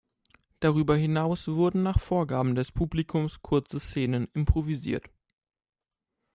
Darüber hinaus wurden nach Vorgaben des Publikums kurze Szenen improvisiert.